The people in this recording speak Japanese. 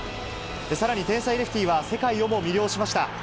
さらに、天才レフティは、世界をも魅了しました。